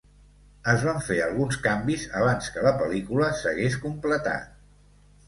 Es van fer alguns canvis abans que la pel·lícula s'hagués completat.